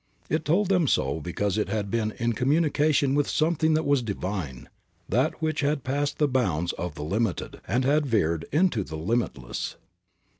It told them so because it had been in communication with something that was divine, that which had passed the bounds of the limited and had veered into the limitless.